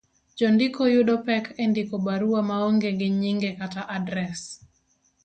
Jondiko yudo pek e ndiko barua maonge gi nyinge kata adres,